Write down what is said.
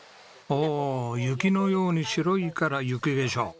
おお雪のように白いから雪化粧。